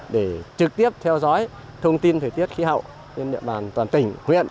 để trực tiếp theo dõi thông tin thời tiết khí hậu trên địa bàn toàn tỉnh huyện